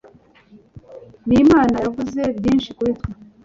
nimana yavuze byinshi kuri twe